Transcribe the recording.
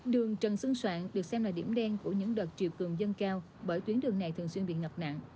đường trần xuân soạn được xem là điểm đen của những đợt triều cương dân cao bởi tuyến đường này thường xuyên bị ngập nặng